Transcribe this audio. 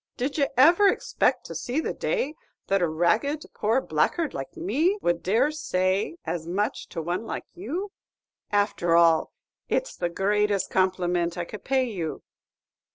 Did ye ever expect to see the day that a ragged poor blackguard like me would dare to say as much to one like you? And, after all, it's the greatest compliment I could pay you."